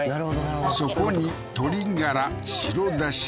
そこに鶏がら白だし